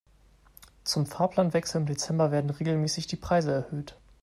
Zum Fahrplanwechsel im Dezember werden regelmäßig die Preise erhöht.